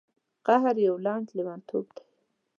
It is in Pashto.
قهر یو لنډ لیونتوب دی.